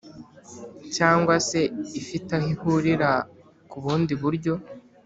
cyangwa se ifite aho ihurira ku bundi buryo